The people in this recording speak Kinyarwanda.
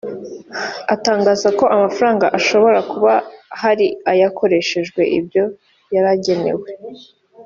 atangaza ko amafaranga ashobora kuba hari ayakoreshejwe ibyo yari agenewe